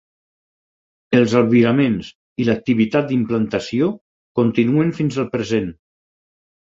Els albiraments i l'activitat d'implantació continuen fins al present.